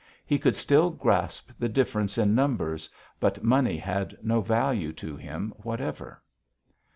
He could still grasp the difference in numbers, but money had no value to him whatever.